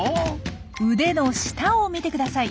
腕の下を見てください。